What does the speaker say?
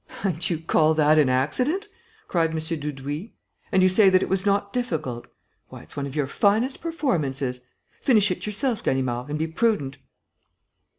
"And you call that an accident!" cried M. Dudouis. "And you say that it was not difficult! Why, it's one of your finest performances! Finish it yourself, Ganimard, and be prudent."